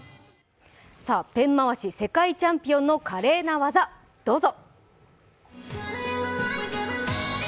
ペン回し世界チャンピオンの華麗な技、どうぞ。